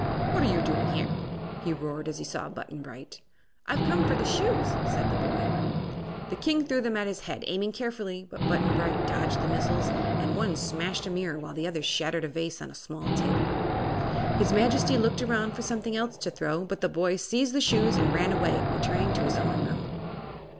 What are you doing here?" he roared, as he saw Button Bright. "I've come for the shoes," said the boy. The king threw them at his head, aiming carefully, but Button Bright dodged the missiles and one smashed a mirror while the other shattered a vase on a small table. His Majesty looked around for something else to throw, but the boy seized the shoes and ran away, returning to his own room.